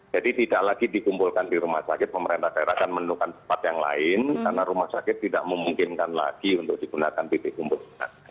jadi tidak lagi dikumpulkan di rumah sakit pemerintah daerah akan menemukan tempat yang lain karena rumah sakit tidak memungkinkan lagi untuk digunakan titik kumpul